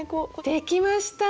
できました！